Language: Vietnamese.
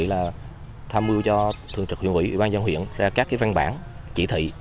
đội đã tham mưu cho thường trực huyện huyện ủy ban dân huyện ra các văn bản chỉ thị